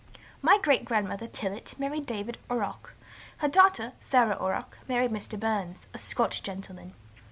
My great grandmother (Tillet) married David Orrok; her daughter, Sarah Orrok, married Mr. Burns, a Scotch gentleman.